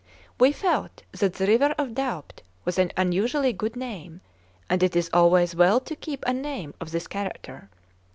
We felt that the "River of Doubt" was an unusually good name; and it is always well to keep a name of this character.